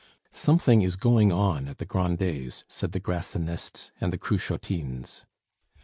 "Something is going on at the Grandets," said the Grassinists and the Cruchotines.